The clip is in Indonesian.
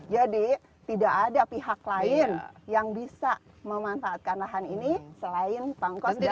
jadi tidak ada pihak lain yang bisa memanfaatkan lahan ini selain pangkos dan setimnya